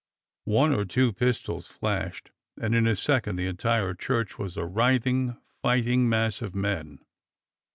One or two pistols flashed, and in a second the entire church was a writhing, fighting mass of men.